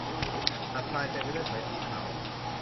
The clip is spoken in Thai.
หาดทรายเต็มไปด้วยหอยสีขาว